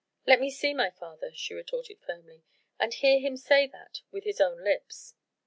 "Let me see my father," she retorted firmly, "and hear him say that with his own lips.